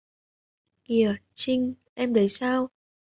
Kìa Chinh em sao đấy